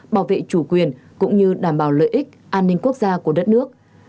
bảo vệ chủ quyền cũng như đảm bảo lợi ích an ninh quốc gia của đất nước